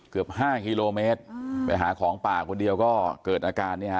เกือบ๕กิโลเมตรไปหาของป่าคนเดียวก็เกิดอาการเนี่ยฮะ